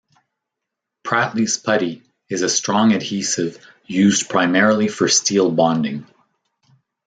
Pratley's Putty is a strong adhesive used primarily for steel bonding.